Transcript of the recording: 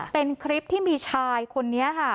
เป็นคลิปที่มีชายคนนี้ค่ะ